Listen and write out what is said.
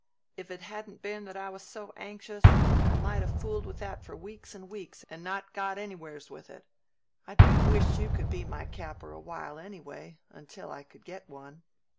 "If it hadn't been that I was so anxious, I might have fooled with that for weeks and weeks and not got anywheres with it. I do wisht you could be my capper a while anyway, until I could get one."